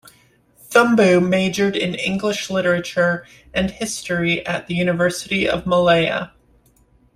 Thumboo majored in English literature and history at the University of Malaya.